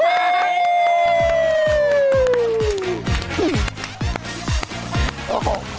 สวัสดีค่ะ